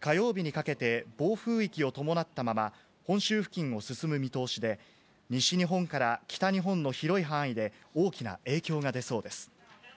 火曜日にかけて、暴風域を伴ったまま、本州付近を進む見通しで、西日本から北日本の広い範囲で、大きな影響が出そうです。